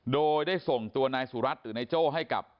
โดยได้ส่งตัวนายสุรัตน์หรือนายโจ้ให้กับ